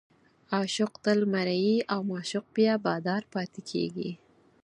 عاشق تل مریی او معشوق بیا بادار پاتې کېږي.